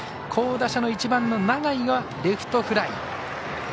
好打者の１番の永井はレフトフライ。